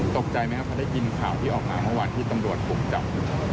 ตกใจไหมครับพอได้ยินข่าวที่ออกมาเมื่อวานที่ตำรวจบุกจับ